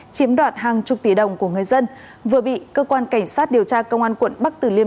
chiếm đoạt hàng chục tỷ đồng của người dân vừa bị cơ quan cảnh sát điều tra công an quận bắc tử liêm